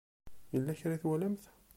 Yella kra i twalamt?